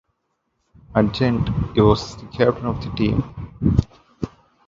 At Gent, he was the captain of the team.